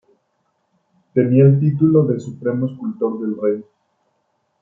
Tenía el título de "Supremo escultor del Rey".